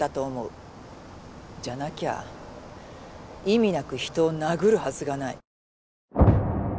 じゃなきゃ意味なく人を殴るはずがない。